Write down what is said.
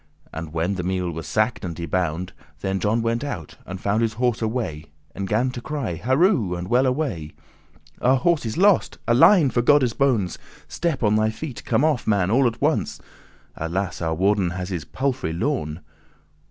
And when the meal was sacked and y bound, Then John went out, and found his horse away, And gan to cry, "Harow, and well away! Our horse is lost: Alein, for Godde's bones, Step on thy feet; come off, man, all at once: Alas! our warden has his palfrey lorn.